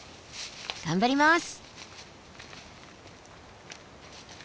頑張ります！